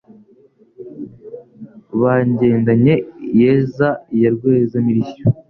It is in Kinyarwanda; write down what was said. Ba Ngendany-iyeza ya Rweza-mirishyo